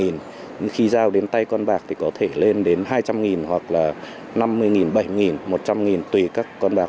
nhưng khi giao đến tay con bạc thì có thể lên đến hai trăm linh hoặc là năm mươi bảy một trăm linh tùy các con bạc